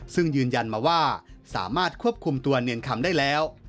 ซึ่งยืนยันมาว่าสามารถควบคุมตัวเนียนคำได้แล้ว